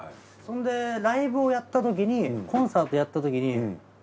そんでライブをやったときにコンサートやったときに。